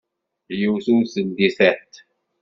Yiwet ur teldi tiṭ.